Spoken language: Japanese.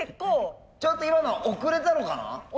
ちょっと今の遅れたのかな？